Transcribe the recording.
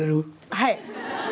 はい。